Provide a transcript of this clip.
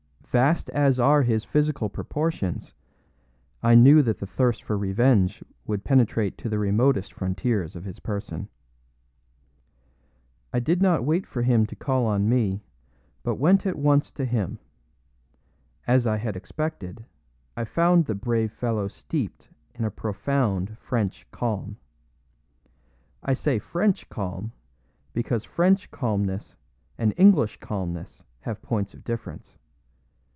Vast as are his physical proportions, I knew that the thirst for revenge would penetrate to the remotest frontiers of his person. I did not wait for him to call on me, but went at once to him. As I had expected, I found the brave fellow steeped in a profound French calm. I say French calm, because French calmness and English calmness have points of difference.